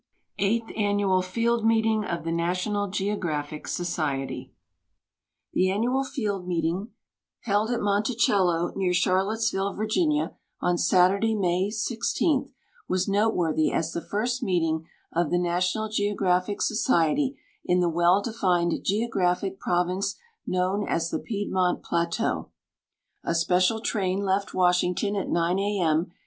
EIGHTH ANNUAL FIELD MEETING OF THE NATIONAL GEOGRAPHIC SOCIETY The annual field meeting, held at Monticello, near Charlottes ville, Virginia, on Saturday, INIay 16, was noteworthy as the first meeting of the National Geographic Society in the well defined geographic province known as the Piedmont plateau. A special train left M'^ashington at D.OO a. m.